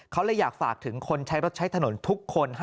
เขาเลยอยากฝากถึงคนใช้รถใช้ถนนทุกคน